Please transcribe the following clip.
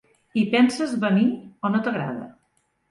Hi penses venir o no t'agrada?